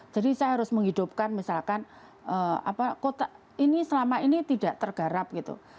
jadi saya harus menghidupkan misalkan kota ini selama ini tidak tergarap gitu